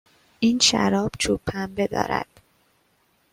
این شراب چوب پنبه دارد.